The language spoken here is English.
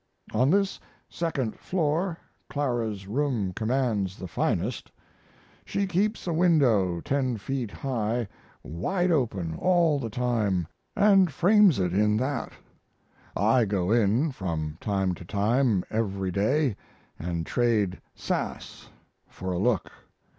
On this (second) floor Clara's room commands the finest; she keeps a window ten feet high wide open all the time & frames it in that. I go in from time to time every day & trade sass for a look.